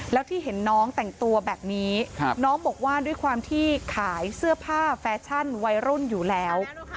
แล้วที่เห็นน้องแต่งตัวแบบนี้น้องบอกว่าด้วยความที่ขายเสื้อผ้าแฟชั่นวัยรุ่นอยู่แล้ว